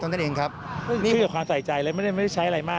คือได้ความใส่ใจแล้วไม่ใช้ได้น้ำ